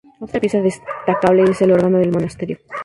Otra pieza destacable es el órgano del monasterio.